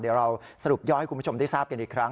เดี๋ยวเราสรุปย่อให้คุณผู้ชมได้ทราบกันอีกครั้ง